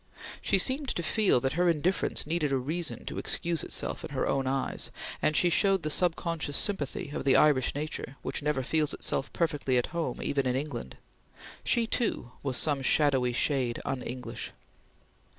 She seemed to feel that her indifference needed a reason to excuse itself in her own eyes, and she showed the subconscious sympathy of the Irish nature which never feels itself perfectly at home even in England. She, too, was some shadowy shade un English.